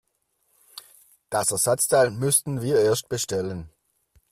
Das Ersatzteil müssten wir erst bestellen.